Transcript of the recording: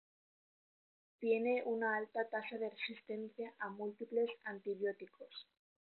Tiene una alta tasa de resistencia a múltiples antibióticos.